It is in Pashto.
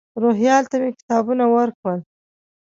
روهیال ته مې کتابونه ورکړل.